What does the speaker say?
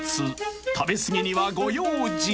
食べ過ぎにはご用心］